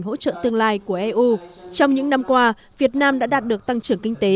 hỗ trợ tương lai của eu trong những năm qua việt nam đã đạt được tăng trưởng kinh tế